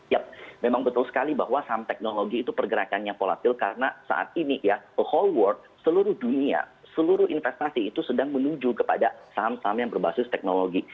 ya memang betul sekali bahwa saham teknologi itu pergerakannya volatil karena saat ini ya whole world seluruh dunia seluruh investasi itu sedang menuju kepada saham saham yang berbasis teknologi